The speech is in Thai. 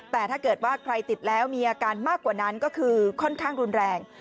แต่ถ้าเกิดว่าใครติดแล้วมีอาการมากกว่านั้นก็คือค่อนข้างรุนแรง